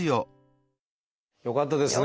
よかったですね。